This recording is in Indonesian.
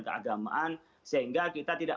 keagamaan sehingga kita tidak